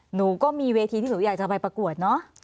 หนูก็มีเวทีที่หนูอยากจะไปประกวดเนอะ